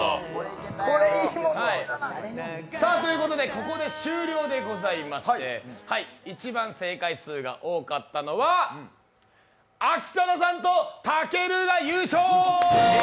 ここで終了でございまして、一番正解数が多かったのは、秋定さんとたけるが優勝。